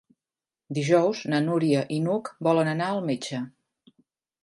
Dijous na Núria i n'Hug volen anar al metge.